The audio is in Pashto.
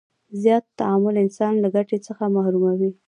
زیات تماعل انسان له ګټې څخه محروموي.